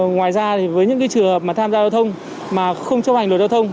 ngoài ra với những trường hợp tham gia giao thông mà không chấp hành luật giao thông